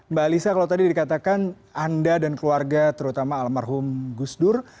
mbak alisa kalau tadi dikatakan anda dan keluarga terutama almarhum gus dur